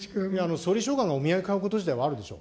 総理秘書官がお土産を買うこと自体はあるでしょう。